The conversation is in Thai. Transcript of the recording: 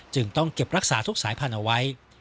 จึงต้องเก็บรักษาทุกสายพันธุ์เอาไว้